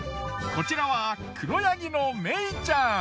こちらは黒ヤギのメイちゃん。